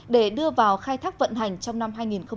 để đưa vào khai thác vận hành trong năm hai nghìn hai mươi